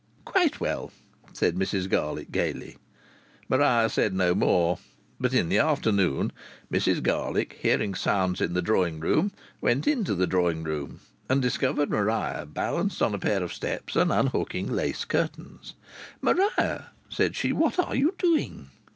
"Quite well!" said Mrs Garlick, gaily. Maria said no more. But in the afternoon Mrs Garlick, hearing sounds in the drawing room, went into the drawing room and discovered Maria balanced on a pair of steps and unhooking lace curtains. "Maria," said she, "what are you doing?"